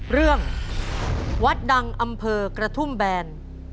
เรื่องวัดดังอำเภอกระทุ่มแบน